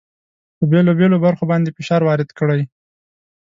په بېلو بېلو برخو باندې فشار وارد کړئ.